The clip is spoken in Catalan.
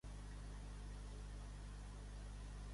Si ens enverinau, no morim? I si ens feis mal, no ens venjarem?